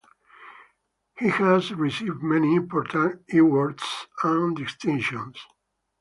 He has received many important awards and distinctions.